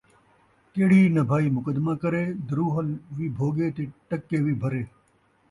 کیڑھی نبھائی مقدمہ کرے ، دروہل وی بھوڳے تے ٹکے وی بھرے